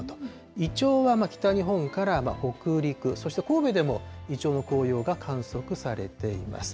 イチョウは北日本から北陸、そして神戸でもイチョウの黄葉が観測されています。